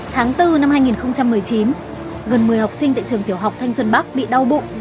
tháng bốn năm hai nghìn một mươi chín gần một mươi học sinh tại trường tiểu học thanh xuân bắc bị đau bụng